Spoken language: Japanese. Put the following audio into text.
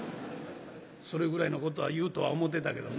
「それぐらいのことは言うとは思うてたけどな。